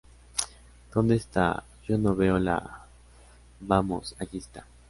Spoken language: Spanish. ¿ Dónde está? Yo yo no veo la vamos. allí está.